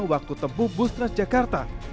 waktu tempuh bus transjakarta